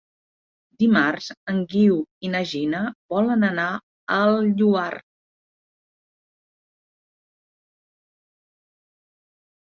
Dimarts en Guiu i na Gina volen anar al Lloar.